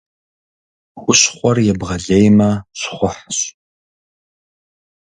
Хущхъуэр ебгъэлеймэ — щхъухьщ.